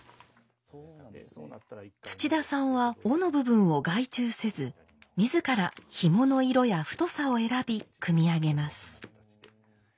土田さんは緒の部分を外注せず自らひもの色や太さを選び組み上げます。